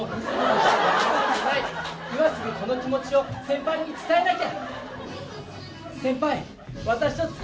今すぐこの気持ちを先輩に伝えたい！